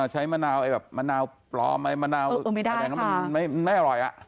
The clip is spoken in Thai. ใช้มะนาวแบบมะนาวปลอมมะนาวอะไรมันไม่อร่อย